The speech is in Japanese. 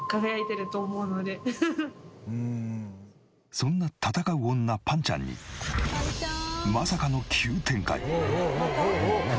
そんな戦う女ぱんちゃんにまさかの急展開！